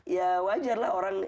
ya wajar lah orang